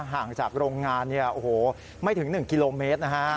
ห่างจากโรงงานไม่ถึง๑กิโลเมตรนะฮะ